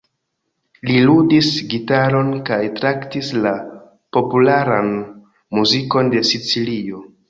Li ludis gitaron kaj traktis la popularan muzikon de Sicilio.